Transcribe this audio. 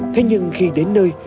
thế nhưng khi đến nơi